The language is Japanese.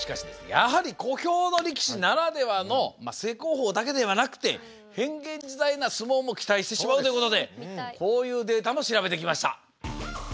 やはり小兵の力士ならではの正攻法だけではなくて変幻自在な相撲も期待してしまうということでこういうデータも調べてきました。